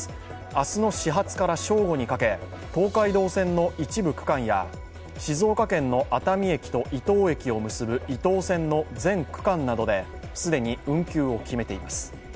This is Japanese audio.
明日の始発から正午にかけ東海道線の一部区間や静岡県の熱海駅と伊東駅を結ぶ伊東線の全区間などで既に運休を決めています